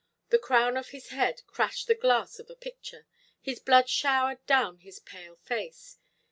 The crown of his head crashed the glass of a picture, and blood showered down his pale face.